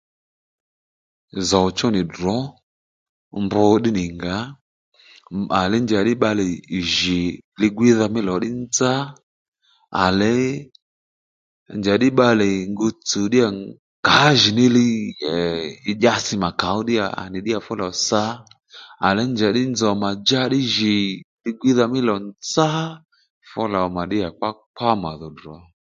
Zòw chú nì drǒ mb ddí nì ngǎ njàddí màdhí bbalè jì li-gwiydha mí lò ddí nzá àlěy njàddí bbalè ngu tsùw ddíyà ngǎjìní li dyasi ma kàó à ddíyà fú lò sǎ à ley njàddí nzòw mà djá ddí jì li-gwíydha mí lò nzá fú lò mà nì kpákpá màdho drǒ